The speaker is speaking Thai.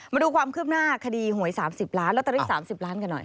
มาดูความคืบหน้าคดีหวย๓๐ล้านลอตเตอรี่๓๐ล้านกันหน่อย